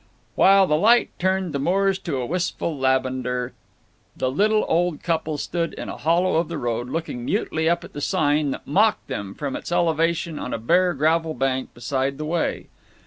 While the light turned the moors to a wistful lavender, the little old couple stood in a hollow of the road, looking mutely up at the sign that mocked them from its elevation on a bare gravel bank beside the way.